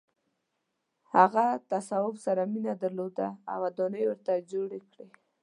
هغه تصوف سره مینه درلوده او ودانۍ یې ورته جوړې کړې.